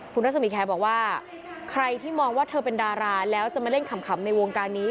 คุณรัศมีแคร์บอกว่าใครที่มองว่าเธอเป็นดาราแล้วจะมาเล่นขำในวงการนี้